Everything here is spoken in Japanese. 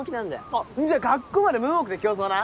あっんじゃ学校までムーンウォークで競争な。